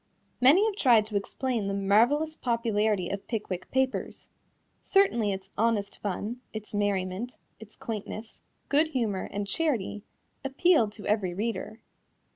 Many have tried to explain the marvelous popularity of Pickwick Papers. Certainly its honest fun, its merriment, its quaintness, good humor and charity appealed to every reader.